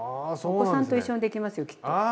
お子さんと一緒にできますよきっと。